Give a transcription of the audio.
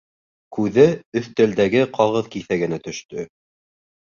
Күҙе өҫтәлдәге ҡағыҙ киҫәгенә төштө.